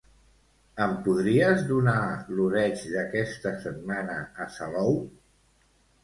Em podries donar l'oreig d'aquesta setmana a Salou?